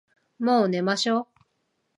もう寝ましょ。